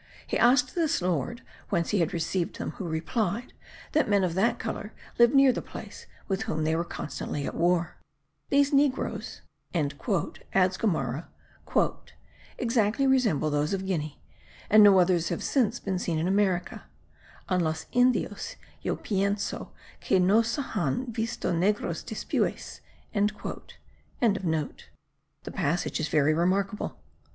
He asked this lord whence he had received them; who replied, that men of that colour lived near the place, with whom they were constantly at war...These negroes," adds Gomara, "exactly resemble those of Guinea; and no others have since been seen in America (en las Indios yo pienso que no se han visto negros despues.") The passage is very remarkable.